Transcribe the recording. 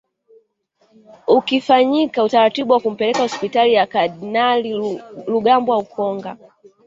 Ukafanyika utaratibu wa kumpeleka hospitali ya kardinali Rugambwa ukonga